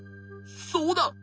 そうだ！